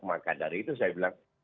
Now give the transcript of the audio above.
maka dari itu saya bilang